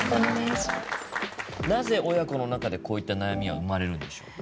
なぜ親子の中でこういった悩みは生まれるんでしょう？